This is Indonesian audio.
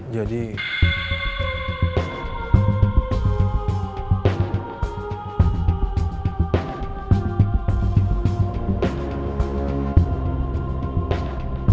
sakti bukan kamu